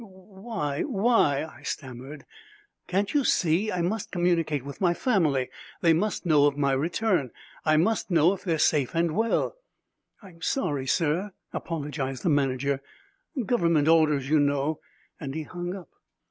"Why why " I stammered, "can't you see? I must communicate with my family. They must know of my return. I must know if they're safe and well." "I'm sorry, sir," apologized the manager, "Government orders, you know." And he hung up.